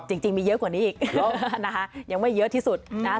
จริงมีเยอะกว่านี้อีกนะคะยังไม่เยอะที่สุดนะ